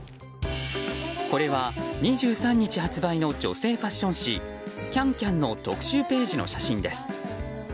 これは、２３日発売の女性ファッション誌「ＣａｎＣａｍ」の特集ページの写真です。